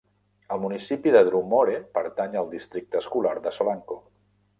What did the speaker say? El municipi de Drumore pertany al districte escolar de Solanco.